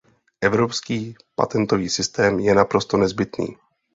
Evropský patentový systém je naprosto nezbytný.